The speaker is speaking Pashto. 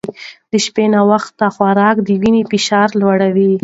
د شپې ناوخته خوراک د وینې فشار لوړوي.